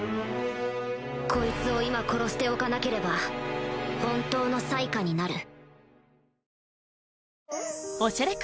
こいつを今殺しておかなければ本当の災禍になる。